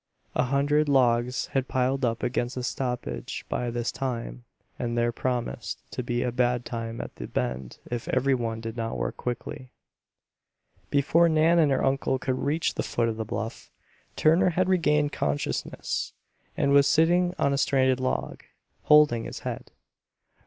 A hundred logs had piled up against the stoppage by this time and there promised to be a bad time at the bend if every one did not work quickly. Before Nan and her uncle could reach the foot of the bluff, Turner had regained consciousness and was sitting on a stranded log, holding his head.